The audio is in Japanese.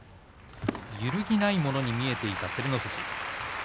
揺るぎないように見えていた照ノ富士。